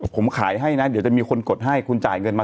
ผมขายให้นะเดี๋ยวจะมีคนกดให้คุณจ่ายเงินมา